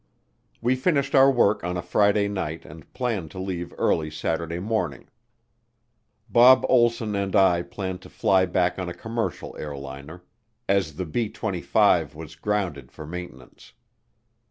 We finished our work on a Friday night and planned to leave early Saturday morning. Bob Olsson and I planned to fly back on a commercial airliner, as the B 25 was grounded for maintenance.